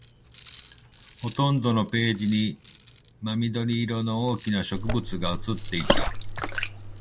ほとんどのページに真緑色の大きな植物が写っていた